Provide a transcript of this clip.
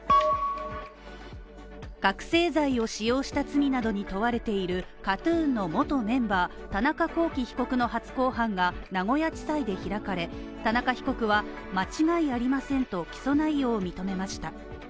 覚醒剤を使用した罪などに問われているＫＡＴ−ＴＵＮの元メンバー、田中聖被告の初公判が名古屋地裁で開かれ田中被告は、間違いありませんと起訴内容を認めました。